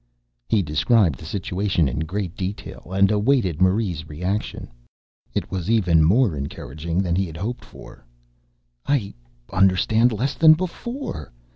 He described the situation in great detail and awaited Marie's reaction. It was even more encouraging than he had hoped for. "I understand less than before!